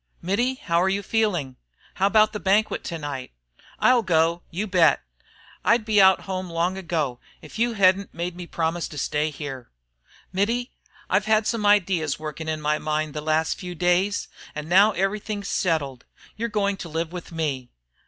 "Mittie, how're you feeling? How about the banquet to night?" "I'll go, you bet. I'd be out home long ago, if you hedn't made me promise to stay here." "Mittie, I've had some ideas working in my mind the last few days, and now everything's settled. You're going to live with me."